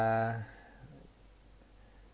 teman teman semuanya selamat siang